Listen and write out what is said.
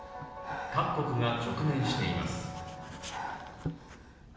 各国が直面しています。